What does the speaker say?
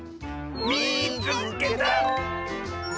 「みいつけた！」。